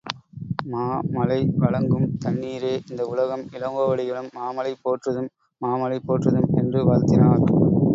மா மழை வழங்கும் தண்ணீரே இந்த உலகம், இளங்கோவடிகளும் மாமழை போற்றுதும் மாமழை போற்றுதும் என்று வாழ்த்தினார்.